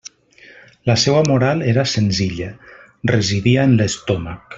La seua moral era senzilla: residia en l'estómac.